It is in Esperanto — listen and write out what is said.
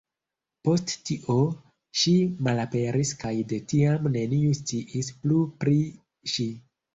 Post tio, ŝi malaperis kaj de tiam neniu sciis plu pri ŝi.